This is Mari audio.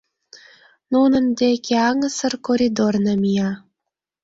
Нунын деке аҥысыр коридор намия.